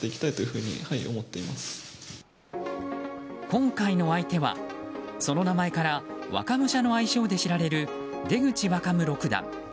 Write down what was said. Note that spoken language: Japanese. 今回の相手はその名前から若武者の愛称で知られる出口若武六段。